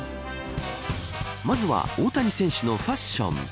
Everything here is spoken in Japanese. まずは大谷選手のファッション。